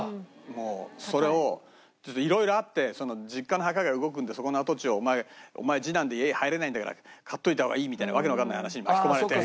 もうそれをいろいろあって実家の墓が動くんでそこの跡地をお前次男で家へ入れないんだから買っといた方がいいみたいな訳のわかんない話に巻き込まれて。